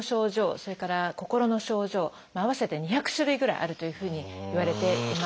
それから心の症状合わせて２００種類ぐらいあるというふうにいわれています。